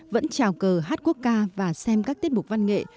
vẫn trào cờ hát quốc ca và xem các tiết mục văn nghệ